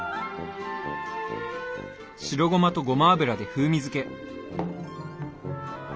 白ごまとごま油で風味付け。